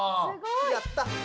やった！